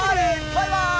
バイバーイ！